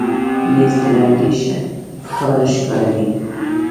مېز د لرګي ښه کار ښکاروي.